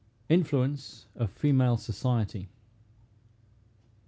INFLUENCE OF FEMALE SOCIETY.